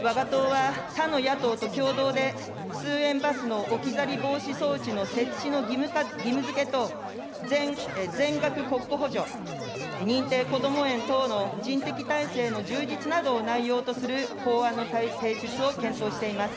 わが党は他の野党と共同で、通園バスの置き去り防止装置の設置の義務づけと、全額国庫補助、認定こども園等の人的体制の充実などを内容とする法案の提出を検討しています。